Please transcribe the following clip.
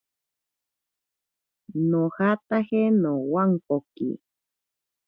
Nojataje nowankoki.